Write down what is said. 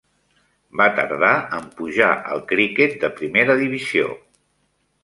Va tardar en pujar al criquet de primera divisió.